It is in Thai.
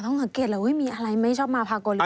อ๋อต้องเห็นเกลียดเลยมีอะไรไม่ชอบมาพากลหรือเปล่า